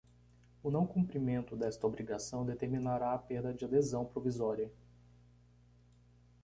O não cumprimento desta obrigação determinará a perda de adesão provisória.